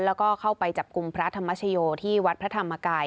แล้วก็เข้าไปจับกลุ่มพระธรรมชโยที่วัดพระธรรมกาย